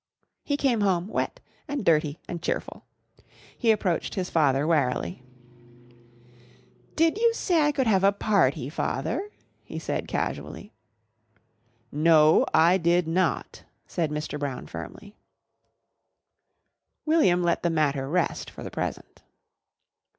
He came home wet and dirty and cheerful. He approached his father warily. "Did you say I could have a party, father?" he said casually. "No, I did not," said Mr. Brown firmly. William let the matter rest for the present.